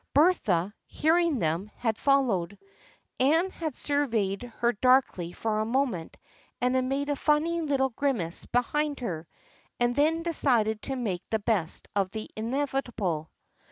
Bertha, hearing them, had followed. Anne had surveyed her darkly for a moment and had made a funny little grimace behind her, and then decided to make the best of the inevitable.